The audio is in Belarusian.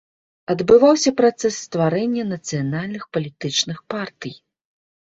Адбываўся працэс стварэння нацыянальных палітычных партый.